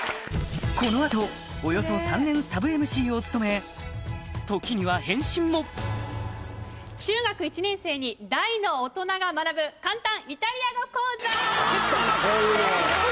この後およそ３年サブＭＣを務め時には変身も中学１年生に大の大人が学ぶ簡単イタリア語講座！